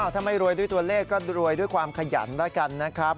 ถ้าไม่รวยด้วยตัวเลขก็รวยด้วยความขยันแล้วกันนะครับ